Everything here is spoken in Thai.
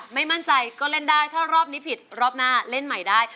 ไม่มั่นใจก็เล่นได้ถ้ารอบนี้ผิดรอบหน้าเล่นใหม่ได้